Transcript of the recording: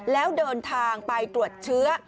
แล้วเดินทางไปตรวจเชื้อ